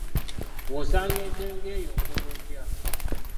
Bw'osanga ente ng'eyo okola otya?